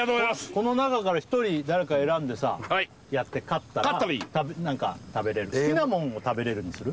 この中から一人誰か選んでさやって勝ったら勝ったらいい好きなもんを食べれるにする？